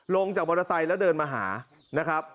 ลงจากมอเตอร์ไซค์แล้วเดินมาหานะครับ